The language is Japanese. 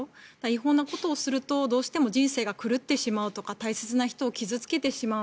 違法なことをするとどうしても人生が狂ってしまうとか大切な人を傷付けてしまう。